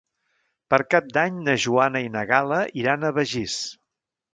Per Cap d'Any na Joana i na Gal·la iran a Begís.